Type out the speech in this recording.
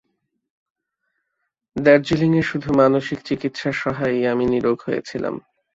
দার্জিলিঙে শুধু মানসিক চিকিৎসা-সহায়েই আমি নীরোগ হয়েছিলাম।